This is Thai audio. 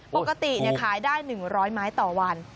ปกติขายได้๑๐๐ไม้ต่อวัน